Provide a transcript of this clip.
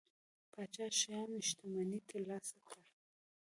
پاچا شیام شتمنۍ ترلاسه کړي.